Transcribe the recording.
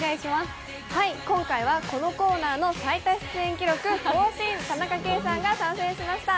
今回はこのコーナーの最多出演記録更新、田中圭さんが参戦しました。